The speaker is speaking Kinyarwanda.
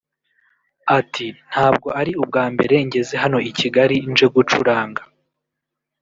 Ati “Ntabwo ari ubwa mbere ngeze hano i Kigali nje gucuranga